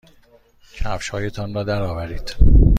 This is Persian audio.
کفشهایتان را درآورید.